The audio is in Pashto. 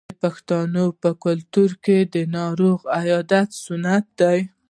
د پښتنو په کلتور کې د ناروغ عیادت سنت دی.